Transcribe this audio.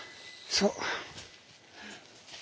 そう。